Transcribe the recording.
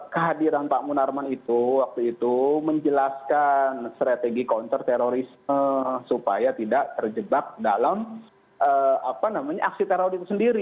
kehadiran pak munarman itu waktu itu menjelaskan strategi counter terorisme supaya tidak terjebak dalam aksi teror itu sendiri